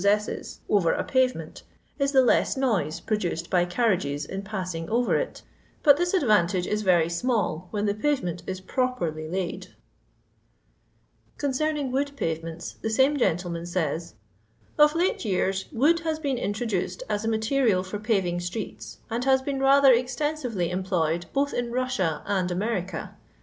ZZZYIL 182 LONDON LABOUR AND THE LONDON POOR, Tery i orer a payement is the less noise prodnoed by carriages in passing oyer it ; but this adnutage is BTj small when the payement is properly laid. Concerning wood paTements the same gentle man says, Of late years wood has been intro dooed as a material for paying streets, and has been rather eztensiyely employed both in Rossia and America.